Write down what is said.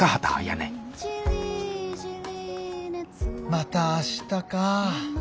「また明日」か。